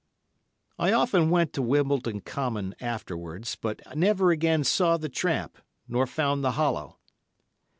I often went to Wimbledon Common afterwards, but never again saw the tramp, nor found the hollow.